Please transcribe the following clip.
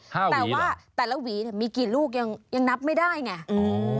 ๕หวีเหรอแต่ว่าแต่ละหวีเนี่ยมีกี่ลูกยังนับไม่ได้ไง